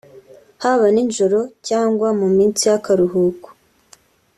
haba ninjoro cyangwa mu minsi y’akaruhuko